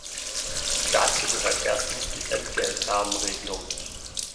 Dazu gehört erstens die Entgeltrahmenregelung.